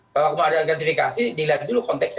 kalau kemudian ada gratifikasi dilihat dulu konteksnya